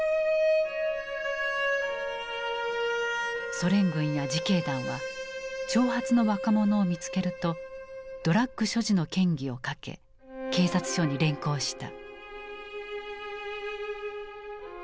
ソ連軍や自警団は長髪の若者を見つけるとドラッグ所持の嫌疑をかけ警察署に連行した。